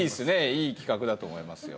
いい企画だと思いますよ。